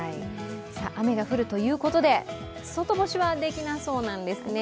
雨が降るということで外干しはできなそうなんですね。